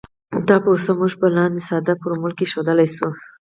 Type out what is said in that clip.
دا پروسه موږ په لاندې ساده فورمول کې ښودلی شو